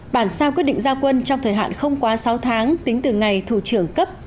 bản sao quyết định gia quân trong thời hạn không quá sáu tháng tính từ ngày thủ trưởng cấp